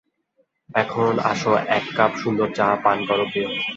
এখন, আসো এক কাপ সুন্দর চা পান করো, প্রিয়।